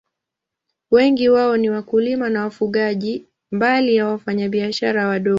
Wengi wao ni wakulima na wafugaji, mbali ya wafanyabiashara wadogo.